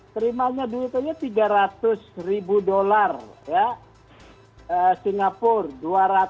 terimanya duitnya tiga ratus ribu dolar singapura